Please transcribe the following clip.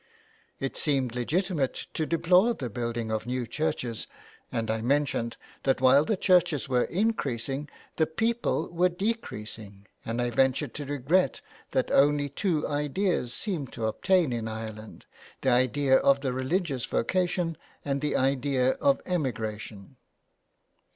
It seemed legitimate to deplore the building of new churches, and I mentioned that while the churches were increasing the people were de creasing, and I ventured to regret that only two ideas seemed to obtain in Ireland, the idea of the religious vocation and the idea of emigration.